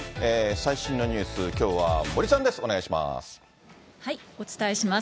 最新のニュース、きょうは森さんです、お願いします。